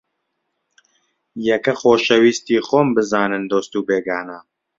یەکە خۆشەویستی خۆم بزانن دۆست و بێگانە